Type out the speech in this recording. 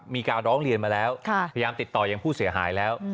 มีการร้องเรียนมาแล้วพยายามติดต่อยังผู้เสียหายแล้ว